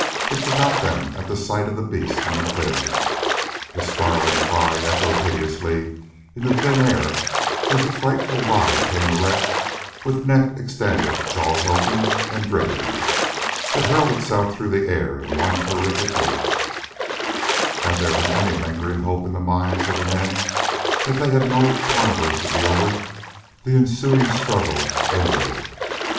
It forgot them at the sight of the beast in the clearing. The snarling cry echoed hideously in the thin air as the frightful body came erect with neck extended, jaws open and dripping. It hurled itself through the air in one terrific leap. Had there been any lingering hope in the minds of the men that they had no carnivores to deal with, the ensuing struggle ended it.